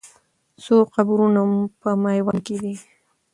څو قبرونه په میوند کې دي؟